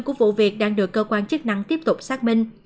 nguyên nhân của vụ việc đang được cơ quan chức năng tiếp tục xác minh